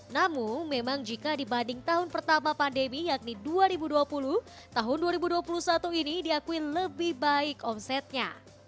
namun memang jika dibanding tahun pertama pandemi yakni dua ribu dua puluh tahun dua ribu dua puluh satu ini diakui lebih baik omsetnya